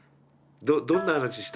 どんな話した？